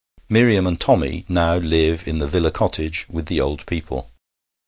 Miriam and Tommy now live in the villa cottage with the old people.